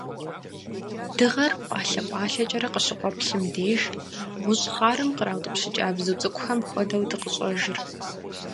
Дыгъэр пӀалъэ-пӀалъэкӀэрэ къыщыкъуэплъым деж, гъущӀ хъарым къраутӀыпщыкӀа бзу цӀыкӀухэм хуэдэу дыкъыщӀэжыр.